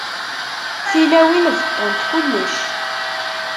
Tilawin beṭṭunt kullec.